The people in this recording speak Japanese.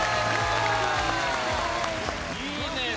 いいねぇ。